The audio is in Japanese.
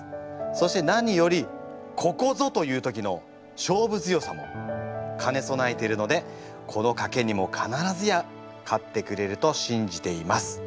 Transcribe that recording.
そして何よりここぞという時の勝負強さもかねそなえているのでこの賭けにも必ずや勝ってくれると信じています。